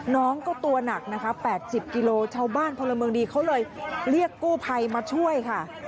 น้องก็ตัวหนักนะคะ๘๐กิโลชาวบ้านพลเมืองดีเขาเลยเรียกกู้ภัยมาช่วยค่ะ